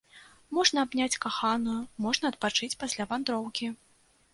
Можна абняць каханую, можна адпачыць пасля вандроўкі.